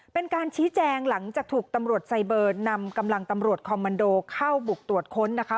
เป็นการชี้แจงหลังจากถูกตำรวจไซเบอร์นำกำลังตำรวจคอมมันโดเข้าบุกตรวจค้นนะคะ